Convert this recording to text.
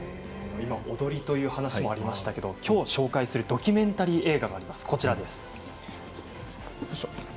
今、踊りという話もありましたが、きょう紹介するドキュメンタリー映画があります。